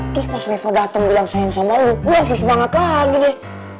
terus pas levo dateng bilang sayang sama lu gue hampir semangat lagi deh